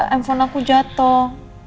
handphone aku jatuh